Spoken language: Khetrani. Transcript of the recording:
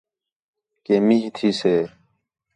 کہ مینہ تھی سے